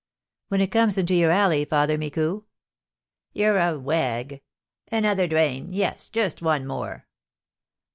"When it comes into your alley, Father Micou." "You're a wag. Another drain, yes, just one more."